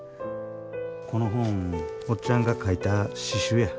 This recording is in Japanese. この本おっちゃんが書いた詩集や。